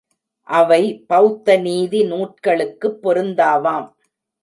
அவை பெளத்த நீதி நூற்களுக்குப் பொருந்தாவாம்.